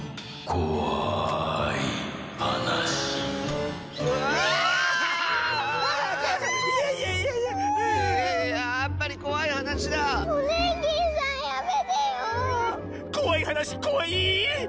こわいはなしこわい！